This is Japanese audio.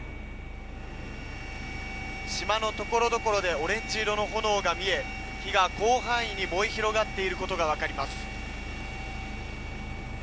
島のところどころでオレンジ色の火が見え火が広範囲に燃え広がっていることが分かります。